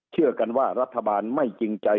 เชื่อกันว่ารัฐบาลไม่จริงใจ